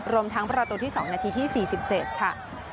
รวมทั้งประตูที่๒นาทีที่๔๗ค่ะ